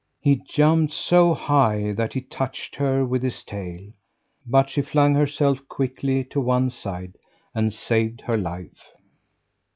He jumped so high that he touched her with his tail. But she flung herself quickly to one side and saved her life.